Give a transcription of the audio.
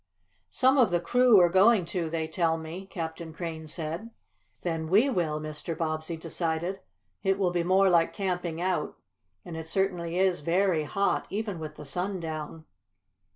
"Some of the crew are going to, they tell me," Captain Crane said. "Then we will," Mr. Bobbsey decided. "It will be more like camping out. And it certainly is very hot, even with the sun down."